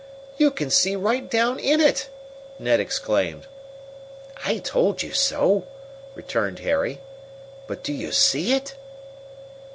"You can see right down in it!" Ned exclaimed. "I told you so," returned Harry. "But do you see it?"